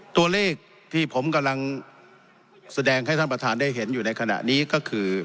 ตัวเลขที่ผมกำลังแสดงให้ท่านประธานได้เห็นอยู่ในขณะนี้ก็คือ